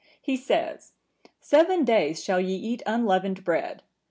He says,(955) 'Seven days shall ye eat unleavened bread.